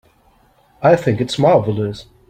I think it's marvelous.